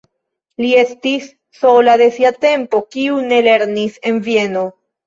Li estis sola de sia tempo, kiu ne lernis en Vieno.